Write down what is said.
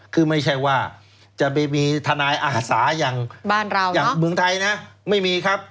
คือไม่ใช่ว่าจะไปมีทนายอาสาอย่างบ้านเราอย่างเมืองไทยนะไม่มีครับ